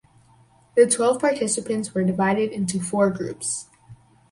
The twelve participants were divided into four groups.